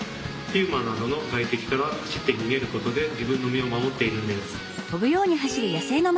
ピューマなどの外敵から走って逃げることで自分の身を守っているんです。